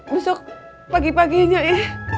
besok pagi paginya ya